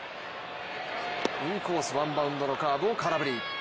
インコース、ワンバウンドのカーブを空振り。